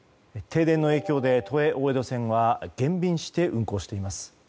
停電の影響で都営大江戸線は減便して運行しています。